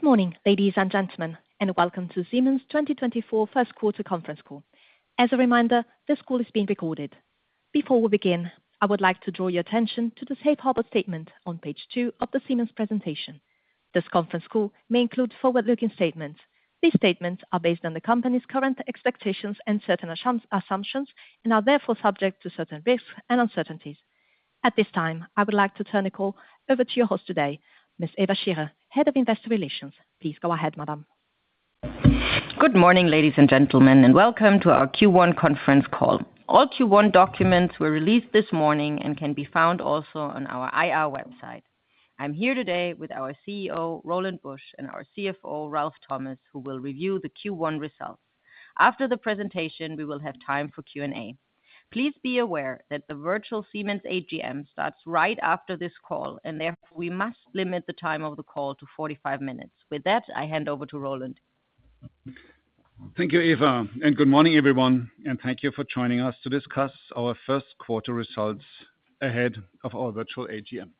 Good morning, ladies and gentlemen, and welcome to Siemens 2024 First Quarter Conference Call. As a reminder, this call is being recorded. Before we begin, I would like to draw your attention to the safe harbor statement on page two of the Siemens presentation. This conference call may include forward-looking statements. These statements are based on the company's current expectations and certain assumptions, and are therefore subject to certain risks and uncertainties. At this time, I would like to turn the call over to your host today, Miss Eva Scherer, Head of Investor Relations. Please go ahead, Madam. Good morning, ladies and gentlemen, and welcome to our Q1 conference call. All Q1 documents were released this morning and can be found also on our IR website. I'm here today with our CEO, Roland Busch, and our CFO, Ralf Thomas, who will review the Q1 results. After the presentation, we will have time for Q&A. Please be aware that the virtual Siemens AGM starts right after this call and therefore, we must limit the time of the call to 45 minutes. With that, I hand over to Roland. Thank you, Eva, and good morning, everyone, and thank you for joining us to discuss our first quarter results ahead of our virtual AGM.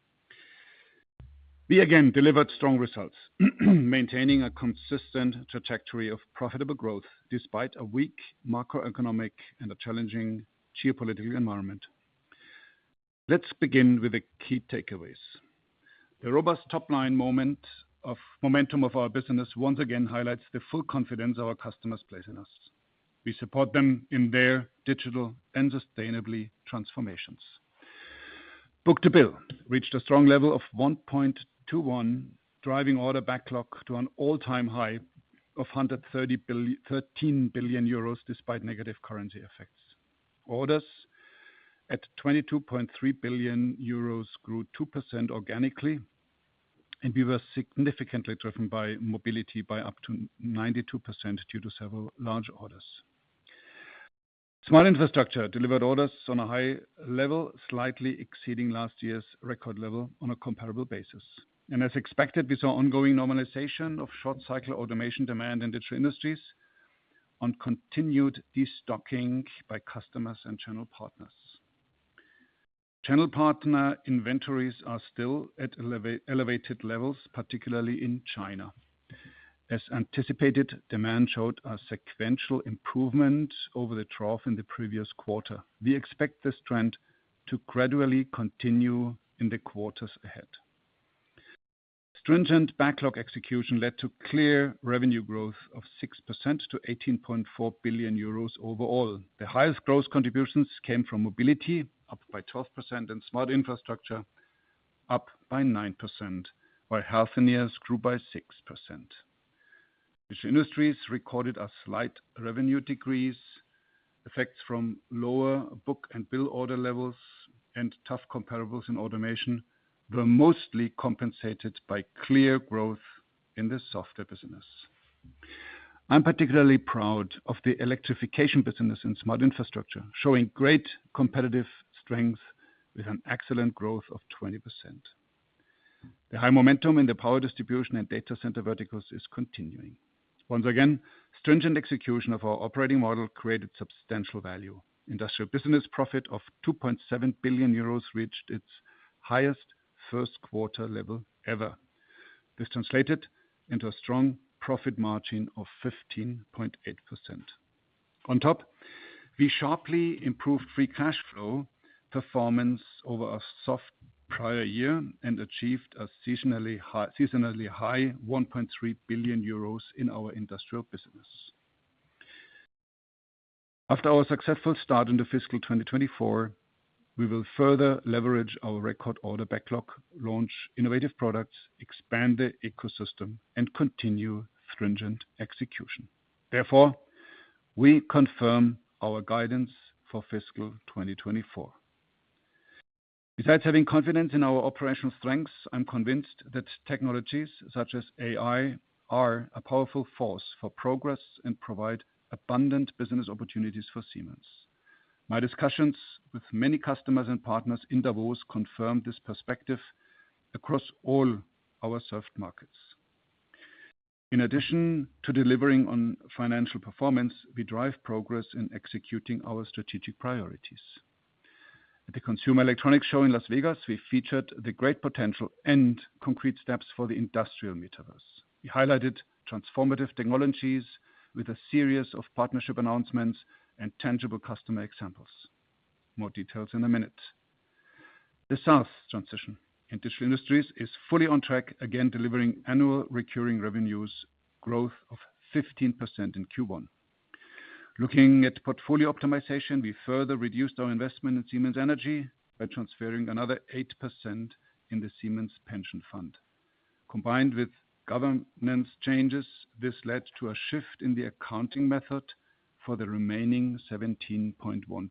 We again delivered strong results, maintaining a consistent trajectory of profitable growth despite a weak macroeconomic and a challenging geopolitical environment. Let's begin with the key takeaways. The robust top-line momentum of our business once again highlights the full confidence our customers place in us. We support them in their digital and sustainable transformations. Book-to-bill reached a strong level of 1.21, driving order backlog to an all-time high of 13 billion euros, despite negative currency effects. Orders at 22.3 billion euros grew 2% organically, and we were significantly driven by Mobility by up to 92% due to several large orders. Smart Infrastructure delivered orders on a high level, slightly exceeding last year's record level on a comparable basis. As expected, we saw ongoing normalization of short-cycle automation demand in Digital Industries on continued destocking by customers and channel partners. Channel partner inventories are still at elevated levels, particularly in China. As anticipated, demand showed a sequential improvement over the trough in the previous quarter. We expect this trend to gradually continue in the quarters ahead. Stringent backlog execution led to clear revenue growth of 6% to 18.4 billion euros overall. The highest growth contributions came from mobility, up by 12%, and Smart Infrastructure, up by 9%, while Healthineers grew by 6%. Which industries recorded a slight revenue decrease? Effects from lower book-to-bill order levels and tough comparables in automation were mostly compensated by clear growth in the software business. I'm particularly proud of the electrification business in smart infrastructure, showing great competitive strength with an excellent growth of 20%. The high momentum in the power distribution and data center verticals is continuing. Once again, stringent execution of our operating model created substantial value. Industrial business profit of 2.7 billion euros reached its highest first quarter level ever. This translated into a strong profit margin of 15.8%. On top, we sharply improved free cash flow performance over a soft prior year and achieved a seasonally high, seasonally high 1.3 billion euros in our industrial business. After our successful start in the fiscal 2024, we will further leverage our record order backlog, launch innovative products, expand the ecosystem, and continue stringent execution. Therefore, we confirm our guidance for fiscal 2024. Besides having confidence in our operational strengths, I'm convinced that technologies such as AI are a powerful force for progress and provide abundant business opportunities for Siemens. My discussions with many customers and partners in Davos confirmed this perspective across all our served markets. In addition to delivering on financial performance, we drive progress in executing our strategic priorities. At the Consumer Electronics Show in Las Vegas, we featured the great potential and concrete steps for the Industrial Metaverse. We highlighted transformative technologies with a series of partnership announcements and tangible customer examples. More details in a minute. The SaaS transition in digital industries is fully on track, again, delivering annual recurring revenues growth of 15% in Q1. Looking at portfolio optimization, we further reduced our investment in Siemens Energy by transferring another 8% in the Siemens Pension Trust. Combined with governance changes, this led to a shift in the accounting method for the remaining 17.1%.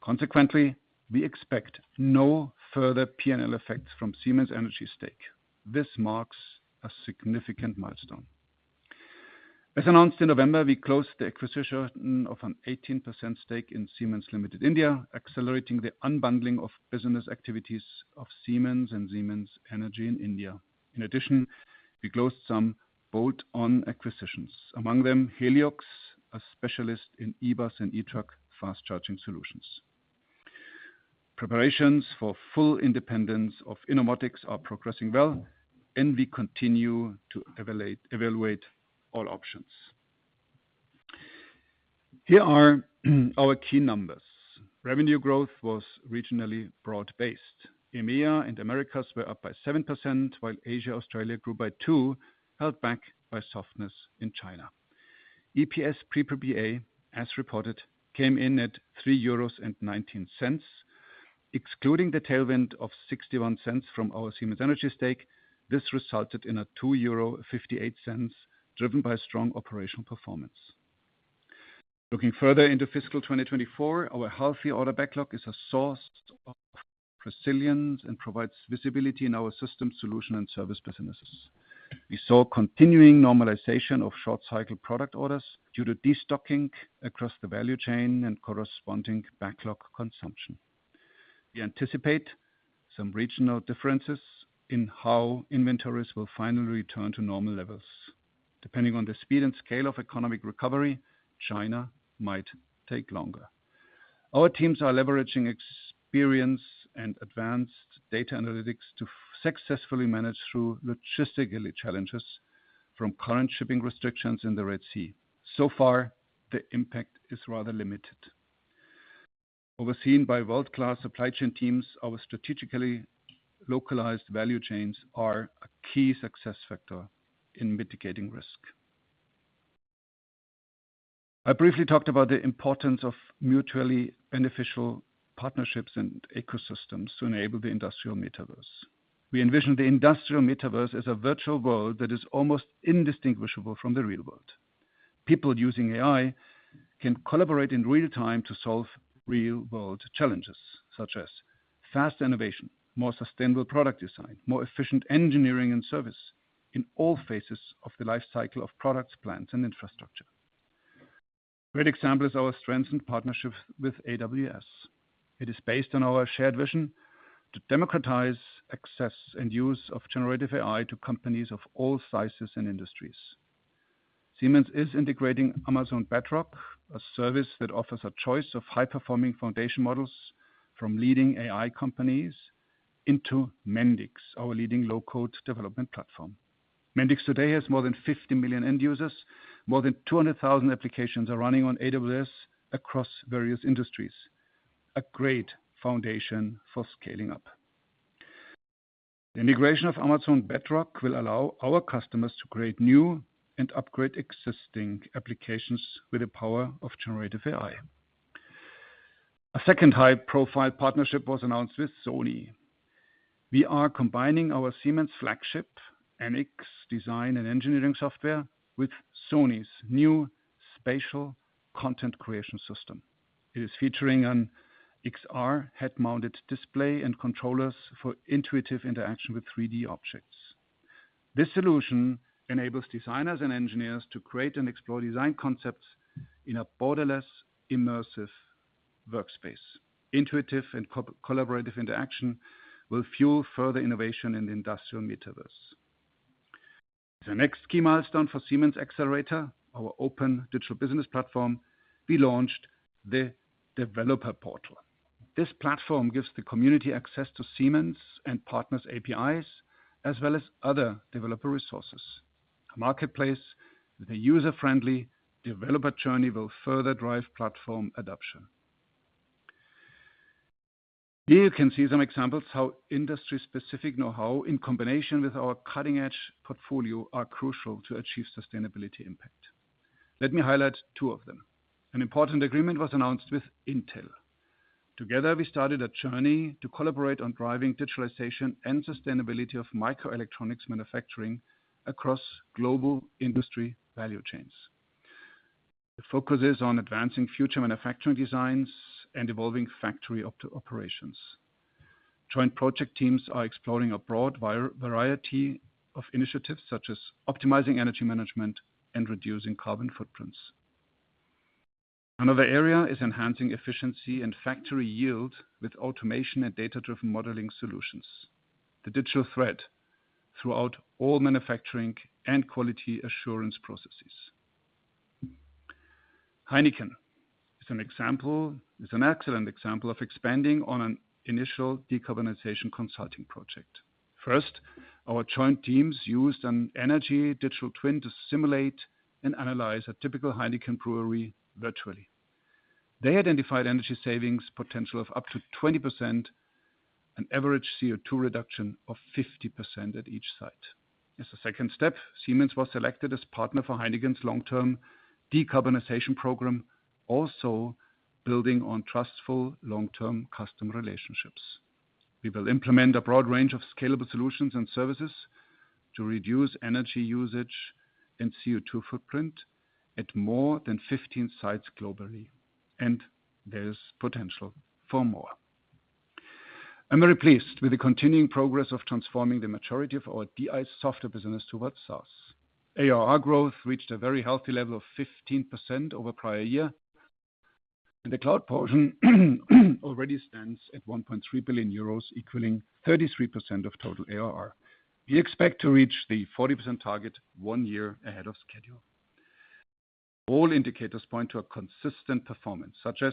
Consequently, we expect no further P&L effects from Siemens Energy stake. This marks a significant milestone. As announced in November, we closed the acquisition of an 18% stake in Siemens Limited India, accelerating the unbundling of business activities of Siemens and Siemens Energy in India. In addition, we closed some bolt-on acquisitions, among them Heliox, a specialist in eBus and eTruck fast charging solutions. Preparations for full independence of Innomotics are progressing well, and we continue to evaluate all options. Here are our key numbers. Revenue growth was regionally broad-based. EMEA and Americas were up by 7%, while Asia, Australia grew by 2%, held back by softness in China. EPS pre-PPA, as reported, came in at 3.19 euros, excluding the tailwind of 0.61 from our Siemens Energy stake. This resulted in 2.58 euro, driven by strong operational performance. Looking further into fiscal 2024, our healthy order backlog is a source of resilience and provides visibility in our system, solution, and service businesses. We saw continuing normalization of short-cycle product orders due to destocking across the value chain and corresponding backlog consumption. We anticipate some regional differences in how inventories will finally return to normal levels. Depending on the speed and scale of economic recovery, China might take longer. Our teams are leveraging experience and advanced data analytics to successfully manage through logistical challenges from current shipping restrictions in the Red Sea. So far, the impact is rather limited. Overseen by world-class supply chain teams, our strategically localized value chains are a key success factor in mitigating risk. I briefly talked about the importance of mutually beneficial partnerships and ecosystems to enable the industrial metaverse. We envision the industrial metaverse as a virtual world that is almost indistinguishable from the real world. People using AI can collaborate in real time to solve real-world challenges, such as fast innovation, more sustainable product design, more efficient engineering and service in all phases of the life cycle of products, plants, and infrastructure. A great example is our strengthened partnership with AWS. It is based on our shared vision to democratize access and use of generative AI to companies of all sizes and industries. Siemens is integrating Amazon Bedrock, a service that offers a choice of high-performing foundation models from leading AI companies into Mendix, our leading low-code development platform. Mendix today has more than 50 million end users. More than 200,000 applications are running on AWS across various industries, a great foundation for scaling up. The integration of Amazon Bedrock will allow our customers to create new and upgrade existing applications with the power of generative AI. A second high-profile partnership was announced with Sony. We are combining our Siemens flagship, NX design and engineering software, with Sony's new spatial content creation system. It is featuring an XR head-mounted display and controllers for intuitive interaction with 3D objects. This solution enables designers and engineers to create and explore design concepts in a borderless, immersive workspace. Intuitive and co-collaborative interaction will fuel further innovation in the industrial metaverse. The next key milestone for Siemens Xcelerator, our open digital business platform, we launched the developer portal. This platform gives the community access to Siemens and partners' APIs, as well as other developer resources. A marketplace with a user-friendly developer journey will further drive platform adoption. Here you can see some examples how industry-specific know-how, in combination with our cutting-edge portfolio, are crucial to achieve sustainability impact. Let me highlight two of them. An important agreement was announced with Intel. Together, we started a journey to collaborate on driving digitalization and sustainability of microelectronics manufacturing across global industry value chains. The focus is on advancing future manufacturing designs and evolving factory operations. Joint project teams are exploring a broad variety of initiatives, such as optimizing energy management and reducing carbon footprints. Another area is enhancing efficiency and factory yield with automation and data-driven modeling solutions, the digital thread throughout all manufacturing and quality assurance processes. Heineken is an example, is an excellent example of expanding on an initial decarbonization consulting project. First, our joint teams used an energy digital twin to simulate and analyze a typical Heineken brewery virtually. They identified energy savings potential of up to 20% and average CO₂ reduction of 50% at each site. As a second step, Siemens was selected as partner for Heineken's long-term decarbonization program, also building on trustful, long-term customer relationships. We will implement a broad range of scalable solutions and services to reduce energy usage and CO₂ footprint at more than 15 sites globally, and there is potential for more. I'm very pleased with the continuing progress of transforming the maturity of our DI software business towards SaaS. ARR growth reached a very healthy level of 15% over prior year, and the cloud portion already stands at 1.3 billion euros, equaling 33% of total ARR. We expect to reach the 40% target one year ahead of schedule. All indicators point to a consistent performance, such as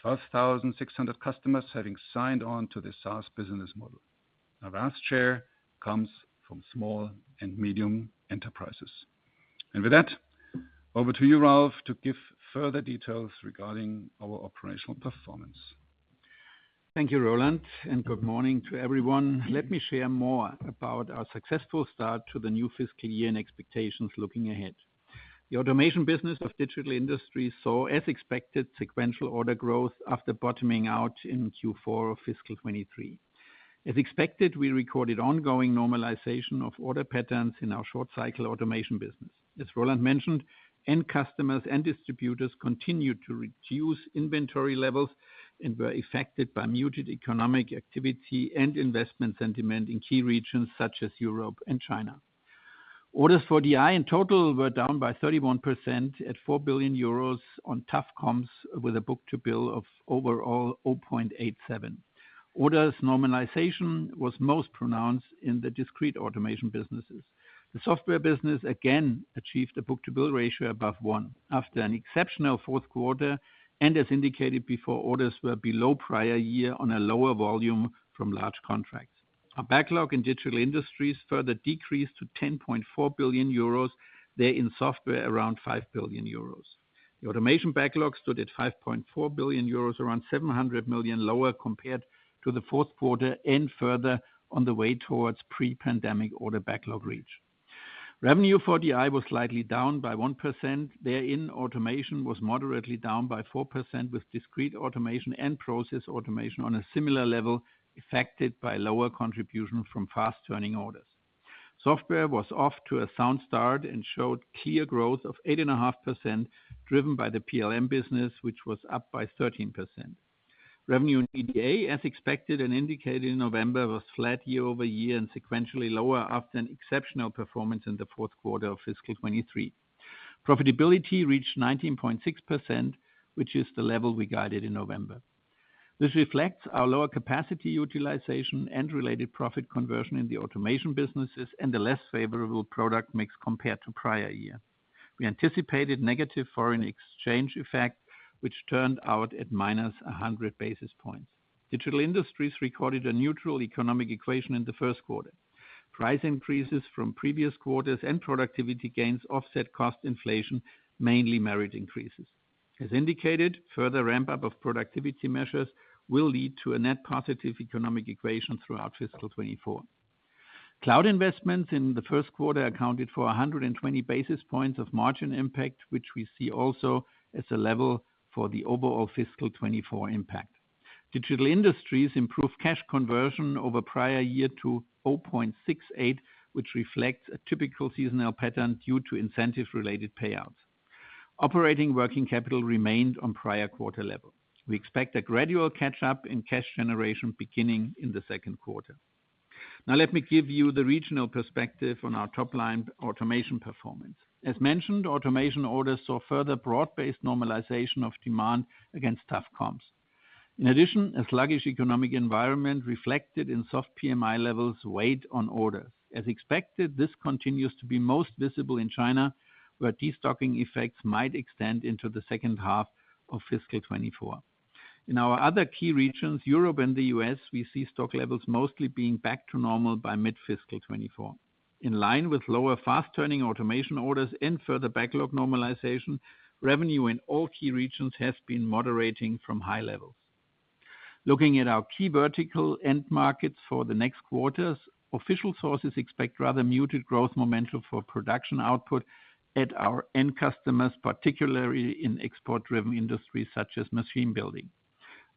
12,600 customers having signed on to the SaaS business model. A vast share comes from small and medium enterprises. And with that, over to you, Ralf, to give further details regarding our operational performance. Thank you, Roland, and good morning to everyone. Let me share more about our successful start to the new fiscal year and expectations looking ahead. The automation business of Digital Industries saw, as expected, sequential order growth after bottoming out in Q4 of fiscal 2023. As expected, we recorded ongoing normalization of order patterns in our short cycle automation business. As Roland mentioned, end customers and distributors continued to reduce inventory levels and were affected by muted economic activity and investment sentiment in key regions such as Europe and China. Orders for DI in total were down by 31% at 4 billion euros on tough comps, with a book-to-bill of overall 0.87. Orders normalization was most pronounced in the discrete automation businesses. The software business again achieved a book-to-bill ratio above one after an exceptional fourth quarter, and as indicated before, orders were below prior year on a lower volume from large contracts. Our backlog in Digital Industries further decreased to 10.4 billion euros, therein software, around 5 billion euros. The automation backlog stood at 5.4 billion euros, around 700 million lower compared to the fourth quarter, and further on the way towards pre-pandemic order backlog reach. Revenue for DI was slightly down by 1%. Therein, automation was moderately down by 4%, with discrete automation and process automation on a similar level, affected by lower contribution from fast turning orders. Software was off to a sound start and showed clear growth of 8.5%, driven by the PLM business, which was up by 13%. Revenue in EDA, as expected and indicated in November, was flat year-over-year and sequentially lower after an exceptional performance in the fourth quarter of fiscal 2023. Profitability reached 19.6%, which is the level we guided in November. This reflects our lower capacity utilization and related profit conversion in the automation businesses and the less favorable product mix compared to prior year. We anticipated negative foreign exchange effect, which turned out at minus 100 basis points. Digital industries recorded a neutral economic equation in the first quarter. Price increases from previous quarters and productivity gains offset cost inflation, mainly wage increases. As indicated, further ramp-up of productivity measures will lead to a net positive economic equation throughout fiscal 2024. Cloud investments in the first quarter accounted for 120 basis points of margin impact, which we see also as a level for the overall fiscal 2024 impact. Digital industries improved cash conversion over prior year to 0.68, which reflects a typical seasonal pattern due to incentive-related payouts. Operating working capital remained on prior quarter levels. We expect a gradual catch-up in cash generation beginning in the second quarter. Now, let me give you the regional perspective on our top-line automation performance. As mentioned, automation orders saw further broad-based normalization of demand against tough comps. In addition, a sluggish economic environment reflected in soft PMI levels weighed on orders. As expected, this continues to be most visible in China, where destocking effects might extend into the second half of fiscal 2024. In our other key regions, Europe and the U.S., we see stock levels mostly being back to normal by mid-fiscal 2024. In line with lower, fast-turning automation orders and further backlog normalization, revenue in all key regions has been moderating from high levels. Looking at our key vertical end markets for the next quarters, official sources expect rather muted growth momentum for production output at our end customers, particularly in export-driven industries such as machine building.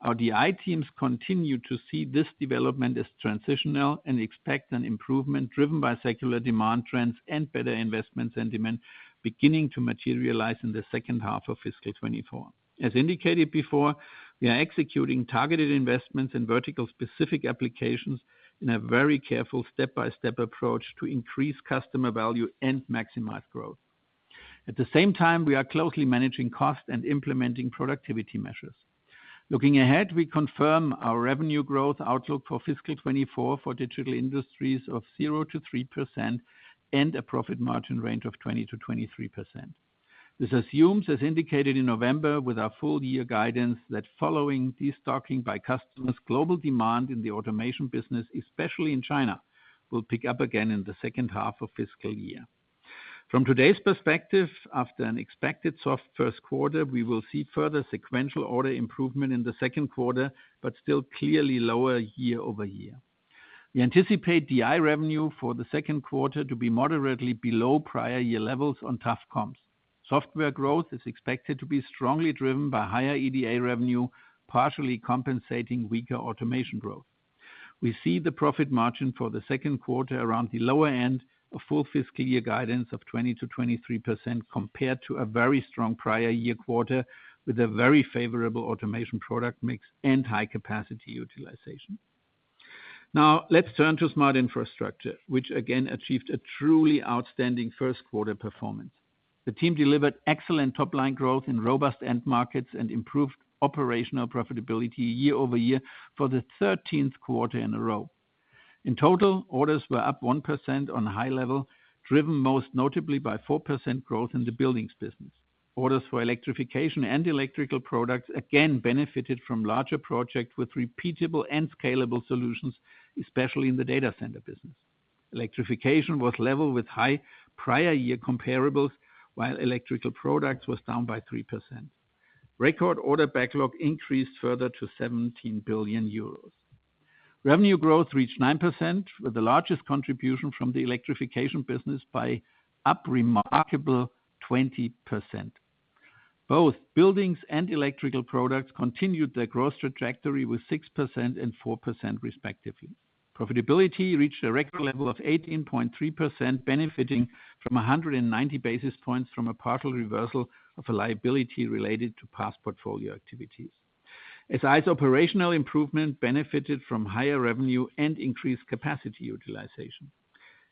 Our DI teams continue to see this development as transitional and expect an improvement driven by secular demand trends and better investment sentiment beginning to materialize in the second half of fiscal 2024. As indicated before, we are executing targeted investments in vertical specific applications in a very careful step-by-step approach to increase customer value and maximize growth. At the same time, we are closely managing cost and implementing productivity measures. Looking ahead, we confirm our revenue growth outlook for fiscal 2024 for Digital Industries of 0%-3% and a profit margin range of 20%-23%. This assumes, as indicated in November with our full year guidance, that following destocking by customers, global demand in the automation business, especially in China, will pick up again in the second half of fiscal year. From today's perspective, after an expected soft first quarter, we will see further sequential order improvement in the second quarter, but still clearly lower year-over-year. We anticipate DI revenue for the second quarter to be moderately below prior year levels on tough comps. Software growth is expected to be strongly driven by higher EDA revenue, partially compensating weaker automation growth. We see the profit margin for the second quarter around the lower end of full fiscal year guidance of 20%-23%, compared to a very strong prior year quarter, with a very favorable automation product mix and high capacity utilization. Now, let's turn to Smart Infrastructure, which again achieved a truly outstanding first quarter performance. The team delivered excellent top-line growth in robust end markets and improved operational profitability year-over-year for the 13th quarter in a row. In total, orders were up 1% on a high level, driven most notably by 4% growth in the buildings business. Orders for Electrification and electrical products again benefited from larger projects with repeatable and scalable solutions, especially in the data centers business. Electrification was level with high prior year comparables, while electrical products was down by 3%. Record order backlog increased further to 17 billion euros. Revenue growth reached 9%, with the largest contribution from the electrification business by a remarkable 20%. Both buildings and electrical products continued their growth trajectory with 6% and 4%, respectively. Profitability reached a record level of 18.3%, benefiting from 190 basis points from a partial reversal of a liability related to past portfolio activities. SI's operational improvement benefited from higher revenue and increased capacity utilization.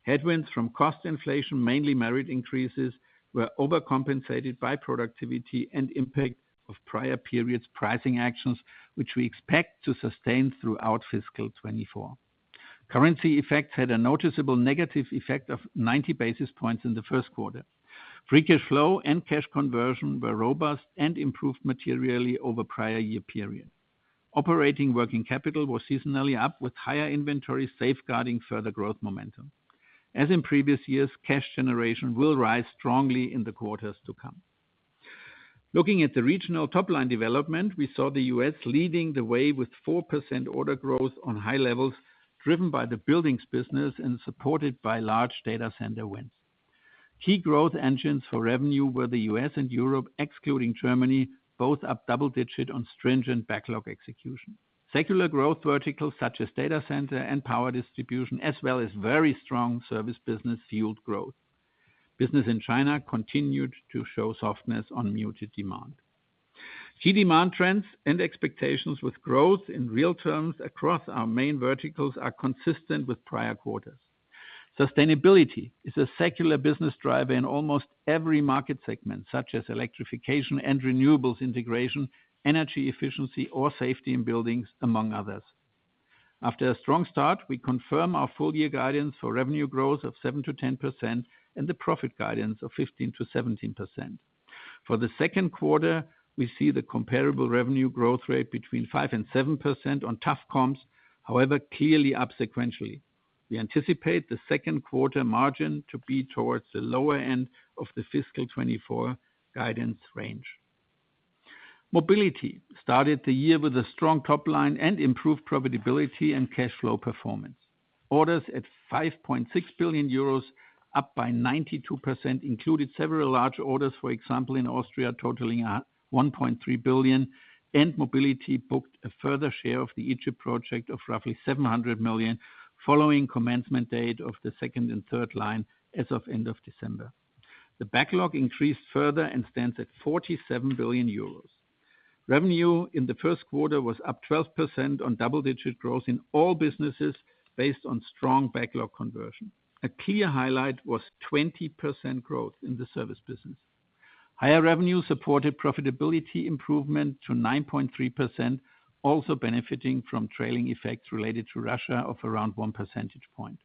Headwinds from cost inflation, mainly merit increases, were overcompensated by productivity and impact of prior periods pricing actions, which we expect to sustain throughout fiscal 2024. Currency effects had a noticeable negative effect of 90 basis points in the first quarter. Free cash flow and cash conversion were robust and improved materially over prior-year period. Operating working capital was seasonally up, with higher inventories safeguarding further growth momentum. As in previous years, cash generation will rise strongly in the quarters to come. Looking at the regional top line development, we saw the U.S. leading the way with 4% order growth on high levels, driven by the buildings business and supported by large data center wins. Key growth engines for revenue were the U.S. and Europe, excluding Germany, both up double-digit on stringent backlog execution. Secular growth verticals, such as data center and power distribution, as well as very strong service business fueled growth. Business in China continued to show softness on muted demand. Key demand trends and expectations with growth in real terms across our main verticals are consistent with prior quarters. Sustainability is a secular business driver in almost every market segment, such as electrification and renewables integration, energy efficiency or safety in buildings, among others. After a strong start, we confirm our full year guidance for revenue growth of 7%-10% and the profit guidance of 15%-17%. For the second quarter, we see the comparable revenue growth rate between 5% and 7% on tough comps, however, clearly up sequentially. We anticipate the second quarter margin to be towards the lower end of the fiscal 2024 guidance range. Mobility started the year with a strong top line and improved profitability and cash flow performance. Orders at 5.6 billion euros, up by 92%, included several large orders, for example, in Austria, totaling at 1.3 billion, and Mobility booked a further share of the Egypt project of roughly 700 million, following commencement date of the second and third line as of end of December. The backlog increased further and stands at 47 billion euros. Revenue in the first quarter was up 12% on double-digit growth in all businesses based on strong backlog conversion. A clear highlight was 20% growth in the service business. Higher revenue supported profitability improvement to 9.3%, also benefiting from trailing effects related to Russia of around 1 percentage point.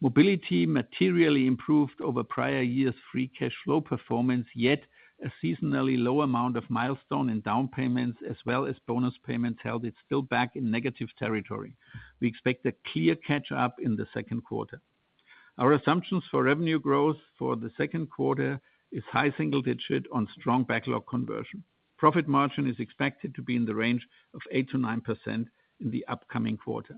Mobility materially improved over prior years' free cash flow performance, yet a seasonally low amount of milestone and down payments, as well as bonus payments, held it still back in negative territory. We expect a clear catch up in the second quarter. Our assumptions for revenue growth for the second quarter is high single digit on strong backlog conversion. Profit margin is expected to be in the range of 8%-9% in the upcoming quarter.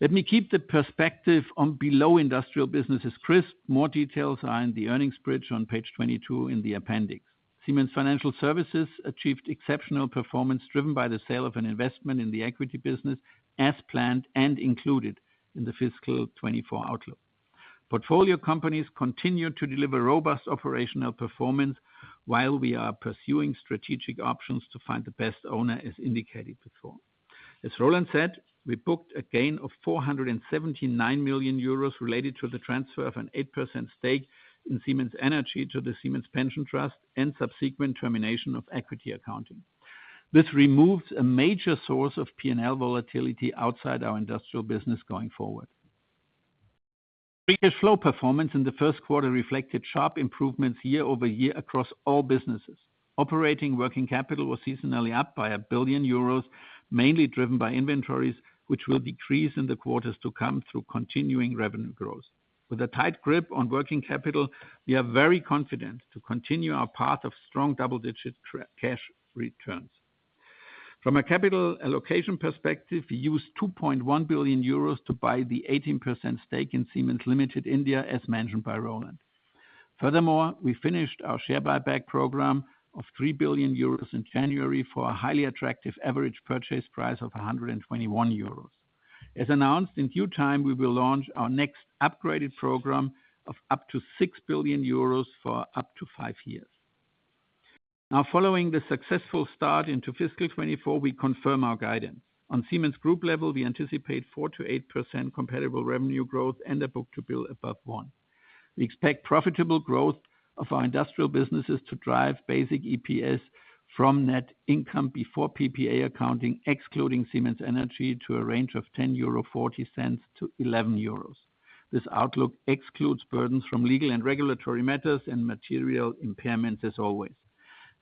Let me keep the perspective on below industrial businesses crisp. More details are in the earnings bridge on page 22 in the appendix. Siemens Financial Services achieved exceptional performance, driven by the sale of an investment in the equity business as planned and included in the fiscal 2024 outlook. Portfolio companies continue to deliver robust operational performance, while we are pursuing strategic options to find the best owner, as indicated before. As Roland said, we booked a gain of 479 million euros related to the transfer of an 8% stake in Siemens Energy to the Siemens Pension Trust and subsequent termination of equity accounting. This removes a major source of P&L volatility outside our industrial business going forward. Free cash flow performance in the first quarter reflected sharp improvements year over year across all businesses. Operating working capital was seasonally up by 1 billion euros, mainly driven by inventories, which will decrease in the quarters to come through continuing revenue growth. With a tight grip on working capital, we are very confident to continue our path of strong double-digit cash returns. From a capital allocation perspective, we used 2.1 billion euros to buy the 18% stake in Siemens Limited India, as mentioned by Roland. Furthermore, we finished our share buyback program of 3 billion euros in January for a highly attractive average purchase price of 121 euros. As announced, in due time, we will launch our next upgraded program of up to 6 billion euros for up to five years. Now, following the successful start into fiscal 2024, we confirm our guidance. On Siemens group level, we anticipate 4%-8% comparable revenue growth and a book-to-bill above 1. We expect profitable growth of our industrial businesses to drive basic EPS from net income before PPA accounting, excluding Siemens Energy, to a range of 10.40-11 euro. This outlook excludes burdens from legal and regulatory matters and material impairment, as always.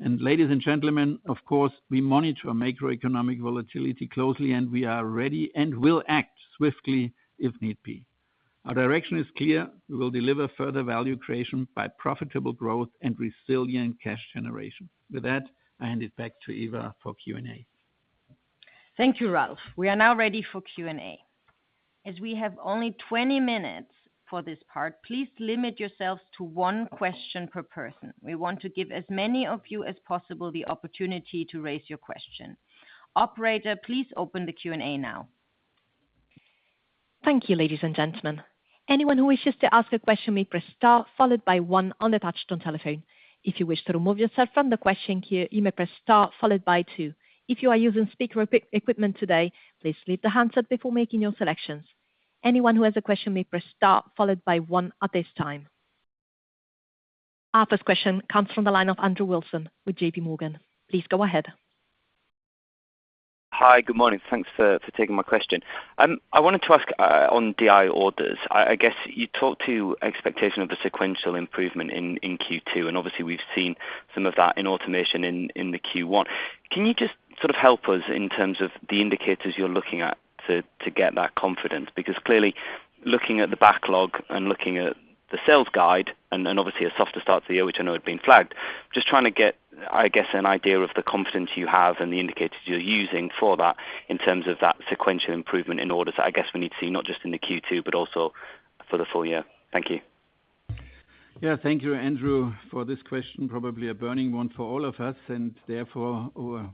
And ladies and gentlemen, of course, we monitor macroeconomic volatility closely, and we are ready and will act swiftly if need be. Our direction is clear. We will deliver further value creation by profitable growth and resilient cash generation. With that, I hand it back to Eva for Q&A. Thank you, Ralf. We are now ready for Q&A. As we have only 20 minutes for this part, please limit yourselves to one question per person. We want to give as many of you as possible the opportunity to raise your question. Operator, please open the Q&A now. Thank you, ladies and gentlemen. Anyone who wishes to ask a question may press star followed by one on the touch-tone telephone. If you wish to remove yourself from the question queue, you may press star followed by two. If you are using speaker equipment today, please leave the handset before making your selections. Anyone who has a question may press star followed by one at this time. Our first question comes from the line of Andrew Wilson with JP Morgan. Please go ahead. Hi, good morning. Thanks for taking my question. I wanted to ask on DI orders. I guess you talked to expectation of a sequential improvement in Q2, and obviously we've seen some of that in automation in the Q1. Can you just sort of help us in terms of the indicators you're looking at to get that confidence? Because clearly, looking at the backlog and looking at the sales guide and obviously a softer start to the year, which I know had been flagged, just trying to get, I guess, an idea of the confidence you have and the indicators you're using for that in terms of that sequential improvement in orders. I guess we need to see, not just in the Q2, but also for the full year. Thank you. Yeah. Thank you, Andrew, for this question. Probably a burning one for all of us, and therefore,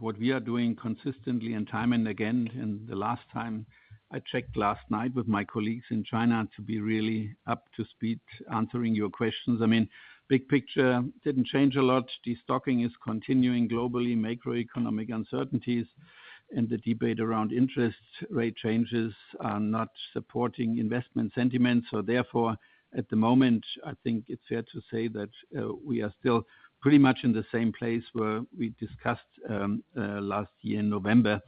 what we are doing consistently and time and again, and the last time I checked last night with my colleagues in China to be really up to speed answering your questions. I mean, big picture didn't change a lot. Destocking is continuing globally. Macroeconomic uncertainties and the debate around interest rate changes are not supporting investment sentiment. So therefore, at the moment, I think it's fair to say that, we are still pretty much in the same place where we discussed, last year in November.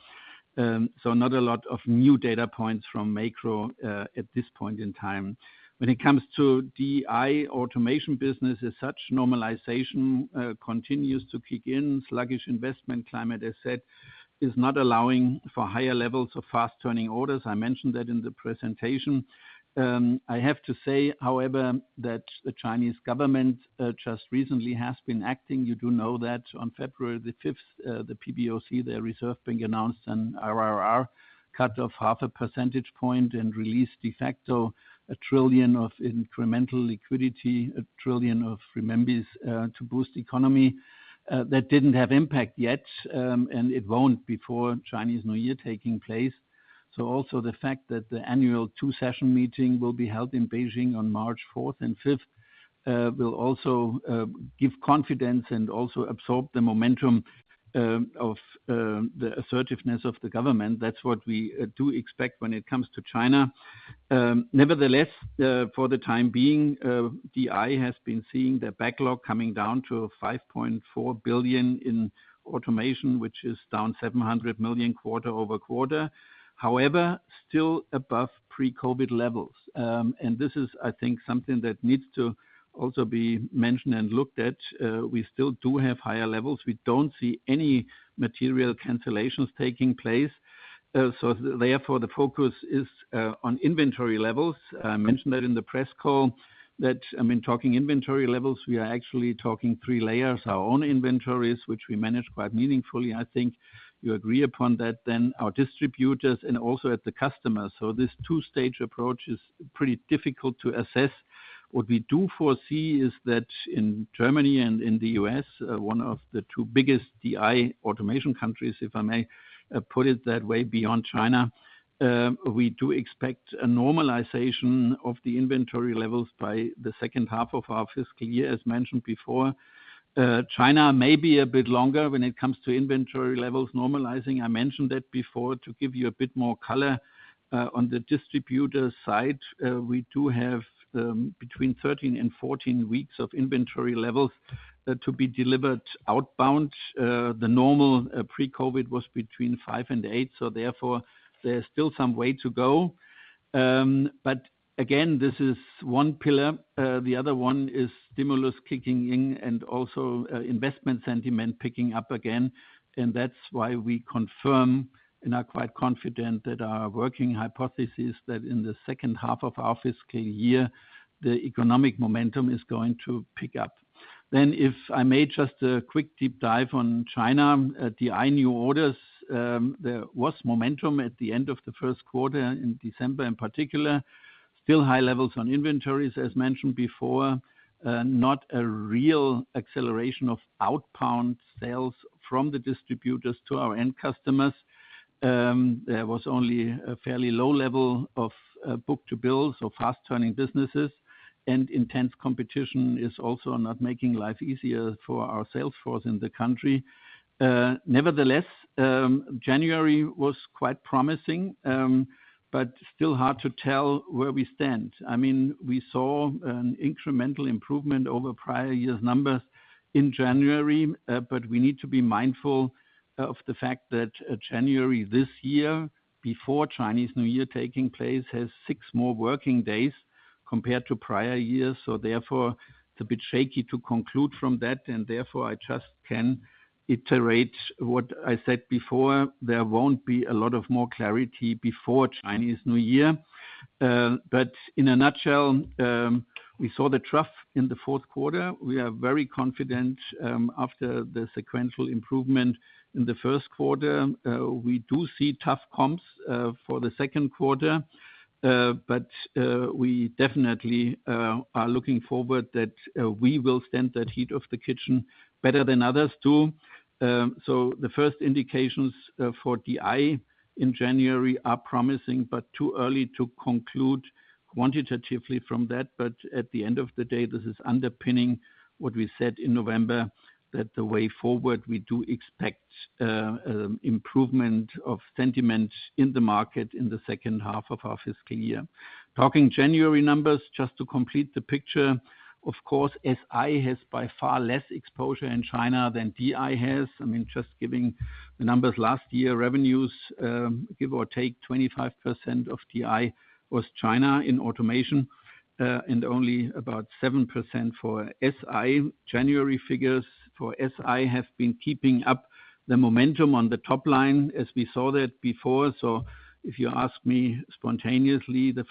So not a lot of new data points from macro, at this point in time. When it comes to DI automation business as such, normalization continues to kick in. Sluggish investment climate, as said, is not allowing for higher levels of fast-turning orders. I mentioned that in the presentation. I have to say, however, that the Chinese government just recently has been acting. You do know that on February 5, the PBOC, their reserve bank, announced an RRR cut of half a percentage point and released de facto, 1 trillion of incremental liquidity, 1 trillion renminbi, to boost economy. That didn't have impact yet, and it won't before Chinese New Year taking place. So also the fact that the annual two-session meeting will be held in Beijing on March 4th and 5th, will also give confidence and also absorb the momentum, of the assertiveness of the government. That's what we do expect when it comes to China. Nevertheless, for the time being, DI has been seeing their backlog coming down to 5.4 billion in automation, which is down 700 million quarter-over-quarter, however, still above pre-COVID levels. And this is, I think, something that needs to also be mentioned and looked at. We still do have higher levels. We don't see any material cancellations taking place, so therefore, the focus is on inventory levels. I mentioned that in the press call, that, I mean, talking inventory levels, we are actually talking three layers: our own inventories, which we manage quite meaningfully, I think you agree upon that. Then our distributors and also at the customer. So this two-stage approach is pretty difficult to assess. What we do foresee is that in Germany and in the U.S., one of the two biggest DI automation countries, if I may, put it that way, beyond China, we do expect a normalization of the inventory levels by the second half of our fiscal year, as mentioned before. China may be a bit longer when it comes to inventory levels normalizing. I mentioned that before to give you a bit more color, on the distributor side. We do have between 13 and 14 weeks of inventory levels to be delivered outbound. The normal pre-COVID was between five and eight, so therefore there is still some way to go. But again, this is one pillar. The other one is stimulus kicking in and also, investment sentiment picking up again. That's why we confirm and are quite confident that our working hypothesis, that in the second half of our fiscal year, the economic momentum is going to pick up. If I may, just a quick deep dive on China, DI new orders. There was momentum at the end of the first quarter in December, in particular. Still high levels on inventories, as mentioned before, not a real acceleration of outbound sales from the distributors to our end customers. There was only a fairly low level of, book-to-bill, so fast turning businesses and intense competition is also not making life easier for our sales force in the country. Nevertheless, January was quite promising, but still hard to tell where we stand. I mean, we saw an incremental improvement over prior years numbers in January, but we need to be mindful of the fact that January this year, before Chinese New Year taking place, has six more working days compared to prior years. So therefore, it's a bit shaky to conclude from that, and therefore, I just can iterate what I said before. There won't be a lot of more clarity before Chinese New Year. But in a nutshell, we saw the trough in the fourth quarter. We are very confident after the sequential improvement in the first quarter. We do see tough comps for the second quarter. But we definitely are looking forward that we will stand that heat of the kitchen better than others, too. So the first indications for DI in January are promising, but too early to conclude quantitatively from that. But at the end of the day, this is underpinning what we said in November, that the way forward, we do expect, improvement of sentiment in the market in the second half of our fiscal year. Talking January numbers, just to complete the picture, of course, SI has by far less exposure in China than DI has. I mean, just giving the numbers last year, revenues, give or take, 25% of DI was China in automation, and only about 7% for SI. January figures for SI have been keeping up the momentum on the top line as we saw that before. So if you ask me spontaneously, the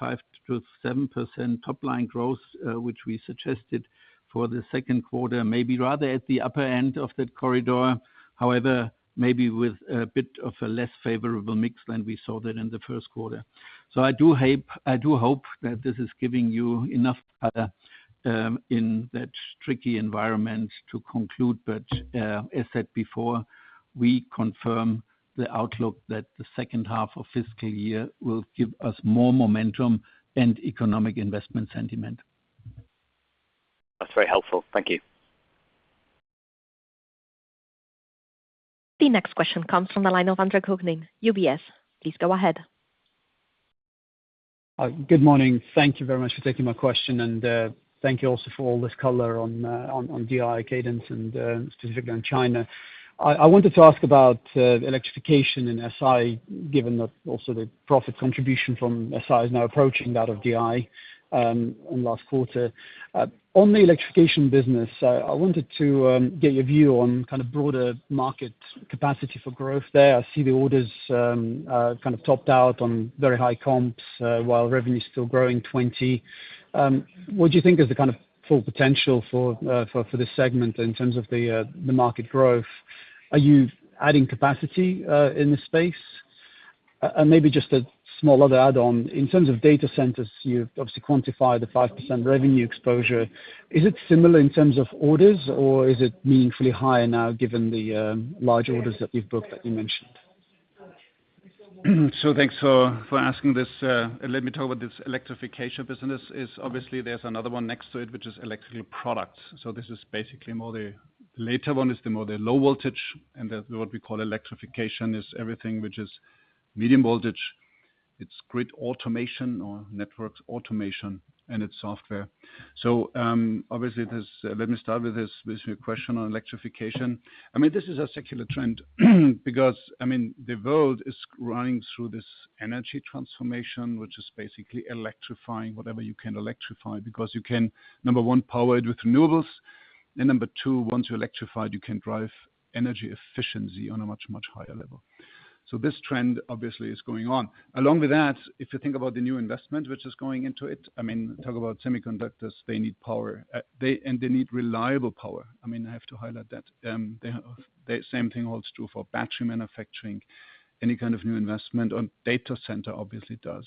5%-7% top line growth, which we suggested for the second quarter, may be rather at the upper end of that corridor, however, maybe with a bit of a less favorable mix than we saw that in the first quarter. So I do hope that this is giving you enough, in that tricky environment to conclude. But, as said before, we confirm the outlook that the second half of fiscal year will give us more momentum and economic investment sentiment. That's very helpful. Thank you. The next question comes from the line of Andre Kukhnin, UBS. Please go ahead. Good morning. Thank you very much for taking my question, and thank you also for all this color on DI cadence and specifically on China. I wanted to ask about electrification in SI, given that also the profit contribution from SI is now approaching that of DI in last quarter. On the electrification business, I wanted to get your view on kind of broader market capacity for growth there. I see the orders kind of topped out on very high comps while revenue is still growing 20%. What do you think is the kind of full potential for this segment in terms of the market growth? Are you adding capacity in this space? And maybe just a small other add-on. In terms of data centers, you've obviously quantified the 5% revenue exposure. Is it similar in terms of orders, or is it meaningfully higher now, given the large orders that you've booked, that you mentioned? So thanks for asking this. Let me talk about this electrification business. It's obviously there's another one next to it, which is electrical products. So this is basically the latter one is more the low voltage, and what we call electrification is everything which is medium voltage. It's grid automation or networks automation, and it's software. So obviously this, let me start with this, with your question on electrification. I mean, this is a secular trend, because I mean, the world is running through this energy transformation, which is basically electrifying whatever you can electrify, because you can, number one, power it with renewables, and number two, once you're electrified, you can drive energy efficiency on a much, much higher level. So this trend obviously is going on. Along with that, if you think about the new investment which is going into it, I mean, talk about semiconductors, they need power, and they need reliable power. I mean, I have to highlight that. The same thing holds true for battery manufacturing, any kind of new investment on data center obviously does.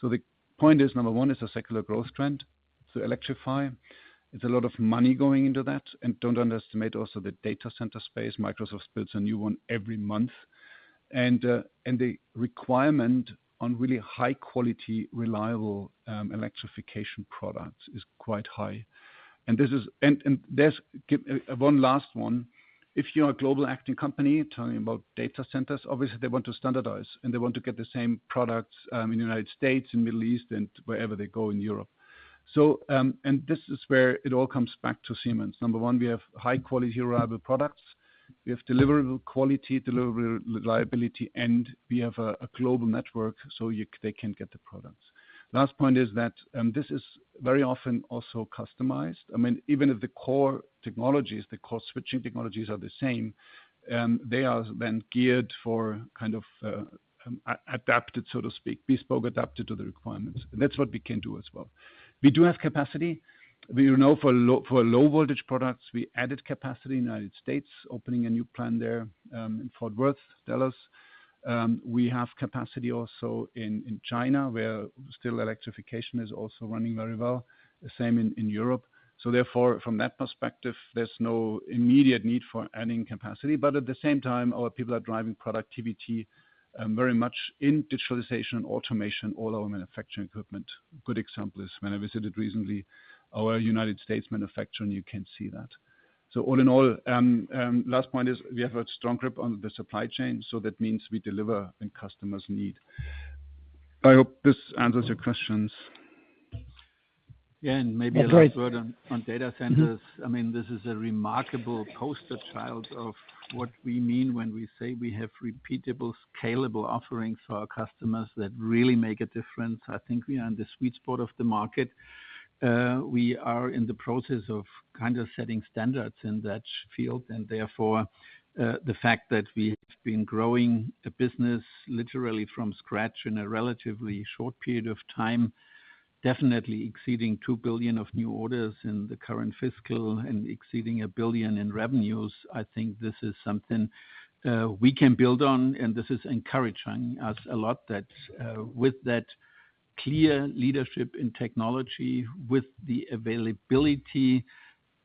So the point is, number one, it's a secular growth trend to electrify. It's a lot of money going into that, and don't underestimate also the data center space. Microsoft builds a new one every month. And, and the requirement on really high quality, reliable electrification products is quite high. And this is, and, and there's one last one. If you're a global acting company telling about data centers, obviously, they want to standardize, and they want to get the same products in the United States and Middle East and wherever they go in Europe. So, and this is where it all comes back to Siemens. Number one, we have high quality, reliable products. We have deliverable quality, deliver reliability, and we have a global network, so they can get the products. Last point is that, this is very often also customized. I mean, even if the core technologies, the core switching technologies are the same, they are then geared for kind of, adapted, so to speak, bespoke, adapted to the requirements. And that's what we can do as well. We do have capacity. We know for low voltage products, we added capacity in United States, opening a new plant there, in Fort Worth, Texas. We have capacity also in China, where still electrification is also running very well, the same in Europe. So therefore, from that perspective, there's no immediate need for adding capacity. But at the same time, our people are driving productivity very much in digitalization and automation, all our manufacturing equipment. Good example is when I visited recently our United States manufacturing, you can see that. So all in all, last point is we have a strong grip on the supply chain, so that means we deliver when customers need. I hope this answers your questions. Yeah, and maybe a last word on data centers. I mean, this is a remarkable poster child of what we mean when we say we have repeatable, scalable offerings for our customers that really make a difference. I think we are in the sweet spot of the market. We are in the process of kind of setting standards in that field, and therefore, the fact that we have been growing a business literally from scratch in a relatively short period of time, definitely exceeding 2 billion of new orders in the current fiscal and exceeding 1 billion in revenues. I think this is something we can build on, and this is encouraging us a lot, that with that clear leadership in technology, with the availability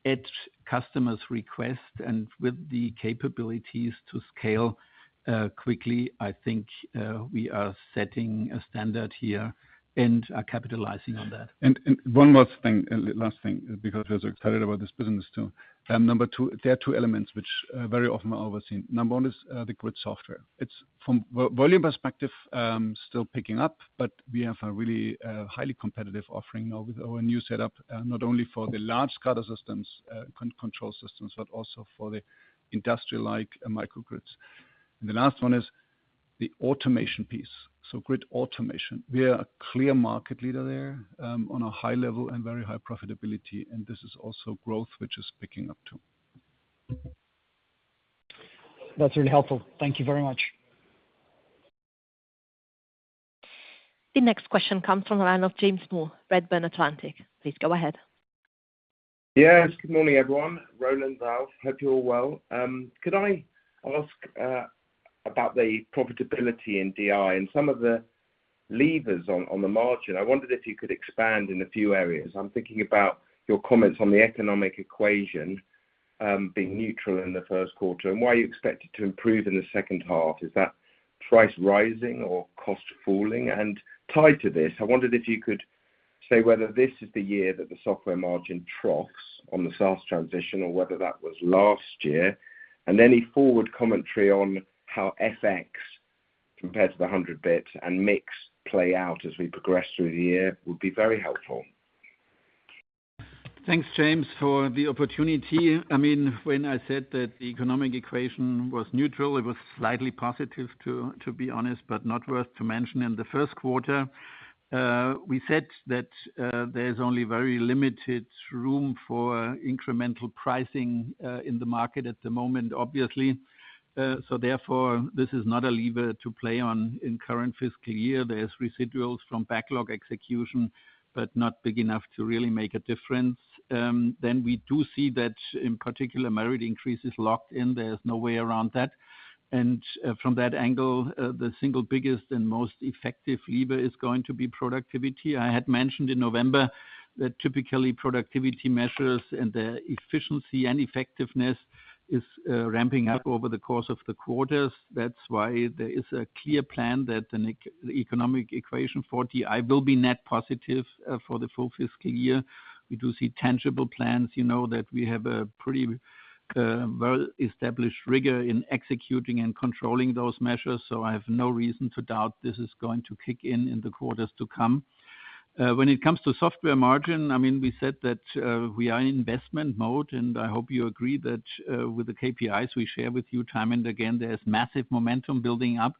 at customers' request and with the capabilities to scale quickly, I think we are setting a standard here and are capitalizing on that. One last thing, because we're excited about this business, too. Number two, there are two elements which very often are overseen. Number one is the grid software. It's from volume perspective still picking up, but we have a really highly competitive offering now with our new setup, not only for the large SCADA systems, control systems, but also for the industrial-like microgrids. And the last one is the automation piece, so grid automation. We are a clear market leader there on a high level and very high profitability, and this is also growth which is picking up, too. That's really helpful. Thank you very much. The next question comes from the line of James Moore, Redburn Atlantic. Please go ahead. Yes, good morning, everyone. Roland Busch, hope you're all well. Could I ask about the profitability in DI and some of the levers on, on the margin? I wondered if you could expand in a few areas. I'm thinking about your comments on the economic equation being neutral in the first quarter, and why you expect it to improve in the second half. Is that price rising or cost falling? And tied to this, I wondered if you could say whether this is the year that the software margin troughs on the SaaS transition, or whether that was last year, and any forward commentary on how FX compares to the 100 bps and mix play out as we progress through the year, would be very helpful. Thanks, James, for the opportunity. I mean, when I said that the economic equation was neutral, it was slightly positive to be honest, but not worth to mention in the first quarter. We said that, there's only very limited room for incremental pricing, in the market at the moment, obviously. So therefore, this is not a lever to play on in current fiscal year. There's residuals from backlog execution, but not big enough to really make a difference. Then we do see that in particular, merit increase is locked in. There's no way around that. And, from that angle, the single biggest and most effective lever is going to be productivity. I had mentioned in November that typically productivity measures and the efficiency and effectiveness is, ramping up over the course of the quarters. That's why there is a clear plan that the economic equation for DI will be net positive for the full fiscal year. We do see tangible plans, you know, that we have a pretty well-established rigor in executing and controlling those measures, so I have no reason to doubt this is going to kick in in the quarters to come. When it comes to software margin, I mean, we said that we are in investment mode, and I hope you agree that with the KPIs we share with you time and again, there is massive momentum building up.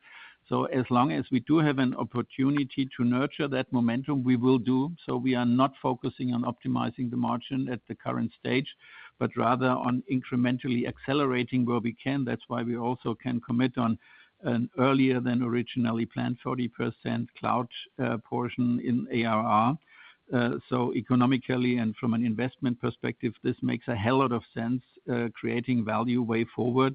So as long as we do have an opportunity to nurture that momentum, we will do. So we are not focusing on optimizing the margin at the current stage, but rather on incrementally accelerating where we can. That's why we also can commit on an earlier than originally planned 40% cloud portion in ARR. So economically and from an investment perspective, this makes a hell lot of sense, creating value way forward.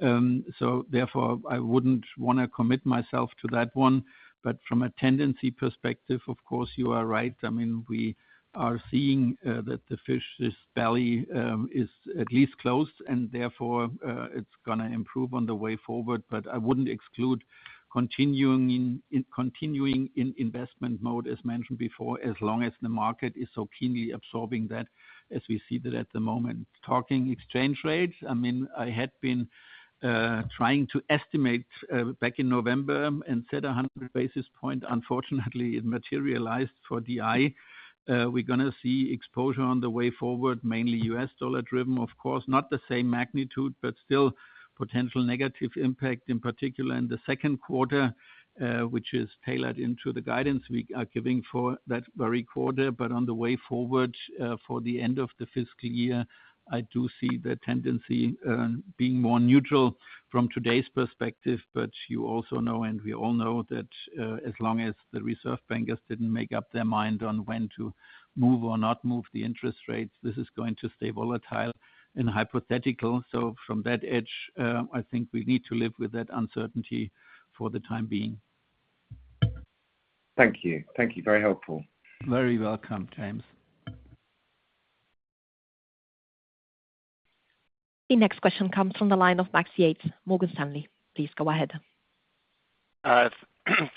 So therefore, I wouldn't want to commit myself to that one. But from a tendency perspective, of course, you are right. I mean, we are seeing that the worst of this valley is at least closed, and therefore, it's gonna improve on the way forward. But I wouldn't exclude continuing in investment mode, as mentioned before, as long as the market is so keenly absorbing that, as we see that at the moment. Talking exchange rates, I mean, I had been trying to estimate back in November and set 100 basis points. Unfortunately, it materialized for DI. We're gonna see exposure on the way forward, mainly U.S. dollar driven, of course, not the same magnitude, but still potential negative impact, in particular in the second quarter, which is tailored into the guidance we are giving for that very quarter. But on the way forward, for the end of the fiscal year, I do see the tendency being more neutral from today's perspective, but you also know, and we all know, that as long as the reserve bankers didn't make up their mind on when to move or not move the interest rates, this is going to stay volatile and hypothetical. So from that edge, I think we need to live with that uncertainty for the time being. Thank you. Very helpful. Very welcome, James. The next question comes from the line of Max Yates, Morgan Stanley. Please go ahead.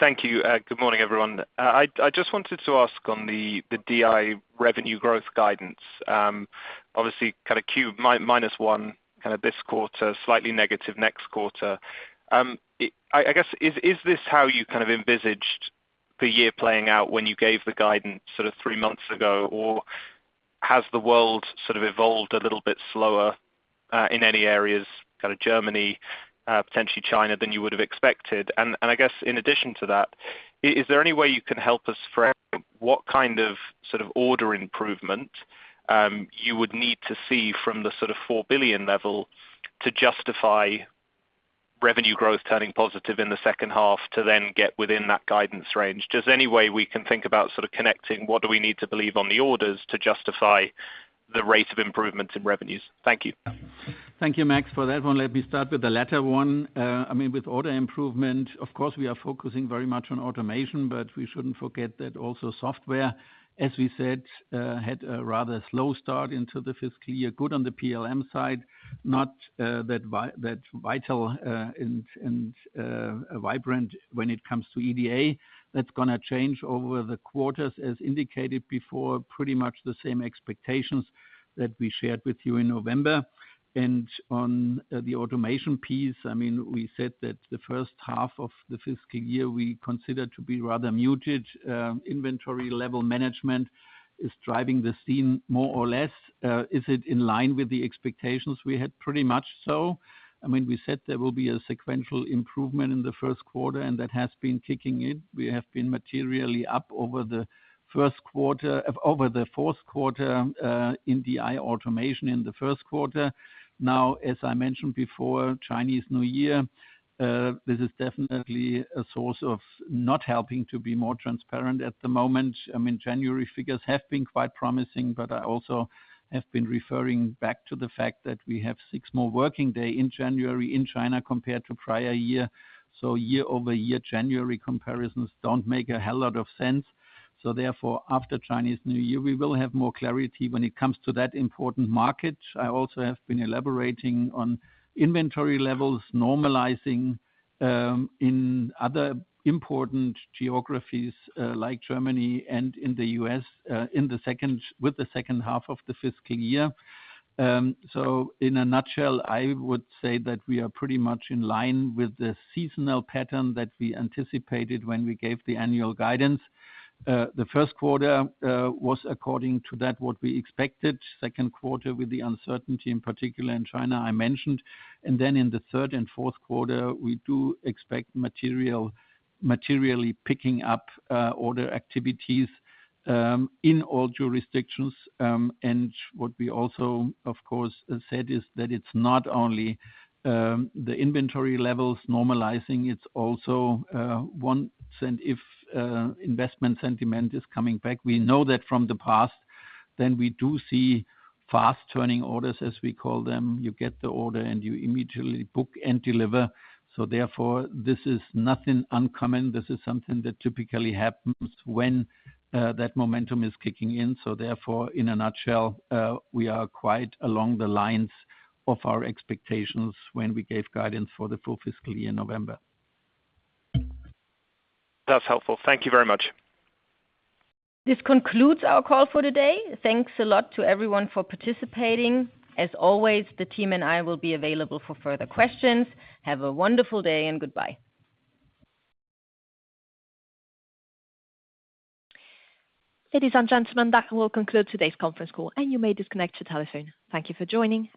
Thank you. Good morning, everyone. I just wanted to ask on the DI revenue growth guidance. Obviously, kind of Q minus one, kind of this quarter, slightly negative next quarter. I guess, is this how you kind of envisaged the year playing out when you gave the guidance sort of three months ago? Or has the world sort of evolved a little bit slower in any areas, kind of Germany, potentially China, than you would have expected? And I guess in addition to that, is there any way you can help us for what kind of sort of order improvement you would need to see from the sort of 4 billion level to justify revenue growth turning positive in the second half to then get within that guidance range? Just any way we can think about sort of connecting, what do we need to believe on the orders to justify the rate of improvements in revenues? Thank you. Thank you, Max, for that one. Let me start with the latter one. I mean, with order improvement, of course, we are focusing very much on automation, but we shouldn't forget that also software, as we said, had a rather slow start into the fiscal year. Good on the PLM side, not that vital and vibrant when it comes to EDA. That's gonna change over the quarters, as indicated before, pretty much the same expectations that we shared with you in November. And on the automation piece, I mean, we said that the first half of the fiscal year, we consider to be rather muted. Inventory level management is driving the scene more or less. Is it in line with the expectations we had? Pretty much so. I mean, we said there will be a sequential improvement in the first quarter, and that has been kicking in. We have been materially up over the first quarter, over the fourth quarter, in automation in the first quarter. Now, as I mentioned before, Chinese New Year, this is definitely a source of not helping to be more transparent at the moment. I mean, January figures have been quite promising, but I also have been referring back to the fact that we have six more working days in January in China compared to prior year. So year-over-year, January comparisons don't make a hell lot of sense. So therefore, after Chinese New Year, we will have more clarity when it comes to that important market. I also have been elaborating on inventory levels normalizing in other important geographies, like Germany and in the US, in the second half of the fiscal year. So in a nutshell, I would say that we are pretty much in line with the seasonal pattern that we anticipated when we gave the annual guidance. The first quarter was according to that, what we expected. Second quarter, with the uncertainty, in particular in China, I mentioned. And then in the third and fourth quarter, we do expect materially picking up order activities in all jurisdictions. And what we also, of course, said, is that it's not only the inventory levels normalizing, it's also once, and if, investment sentiment is coming back. We know that from the past, then we do see fast-turning orders, as we call them. You get the order, and you immediately book and deliver. So therefore, this is nothing uncommon. This is something that typically happens when that momentum is kicking in. So therefore, in a nutshell, we are quite along the lines of our expectations when we gave guidance for the full fiscal year in November. That's helpful. Thank you very much. This concludes our call for today. Thanks a lot to everyone for participating. As always, the team and I will be available for further questions. Have a wonderful day, and goodbye. Ladies and gentlemen, that will conclude today's conference call, and you may disconnect your telephone. Thank you for joining.